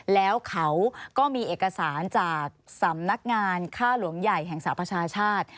แล้วเขาก็มีเอกสารจากสำนักงานค่าหลวงใหญ่แห่งสหประชาชาติ